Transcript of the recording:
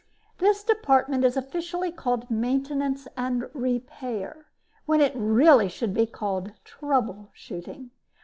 "This department is officially called Maintenance and Repair, when it really should be called trouble shooting.